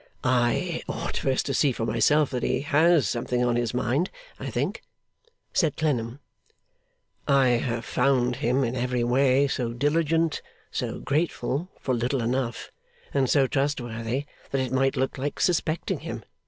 'I ought first to see for myself that he has something on his mind, I think,' said Clennam. 'I have found him in every way so diligent, so grateful (for little enough), and so trustworthy, that it might look like suspecting him.